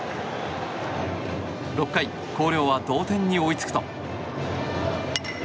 ６回広陵は同点に追いつくと。